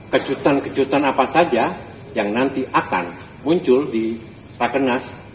kejutan kejutan apa saja yang nanti akan muncul di rakenas